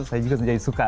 saya juga jadi suka